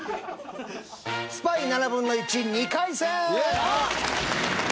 スパイ７分の１２回戦！